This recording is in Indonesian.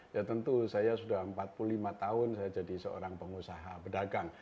ya tentu saya sudah empat puluh lima tahun saya jadi seorang pengusaha pedagang